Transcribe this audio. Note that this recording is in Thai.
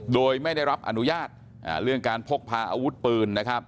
โดยไม่ได้รับอนุญาตเรื่องการพกพาอาวุธปืนนะครับ